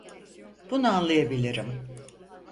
Bunu anlayabilirim.